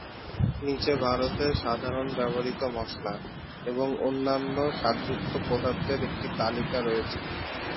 নীচে ভারতে সাধারণত ব্যবহৃত মশলা এবং অন্যান্য স্বাদযুক্ত পদার্থের একটি তালিকা রয়েছে।